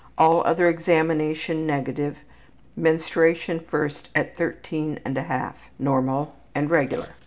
All other examination negative. Menstruation first at 13 1/2, normal and regular.